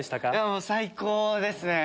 もう最高ですね。